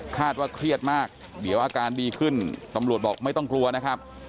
ว่าเครียดมากเดี๋ยวอาการดีขึ้นตำรวจบอกไม่ต้องกลัวนะครับ